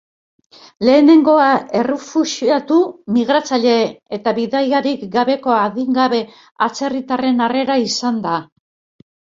Lehenengoa, errefuxiatu, migratzaile eta bidaiderik gabeko adingabe atzerritarren harrera izan da.